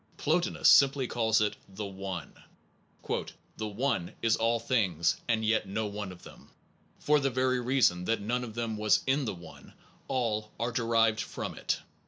Plotinus simply calls it the One. The One is all things and yet no one of them. ... For the very reason that none of them was in the One, are all derived from it.